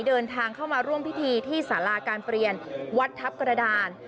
เดินทางเข้ามาร่วมพิธีที่สาราการเปลี่ยนวัดทัพกระดาน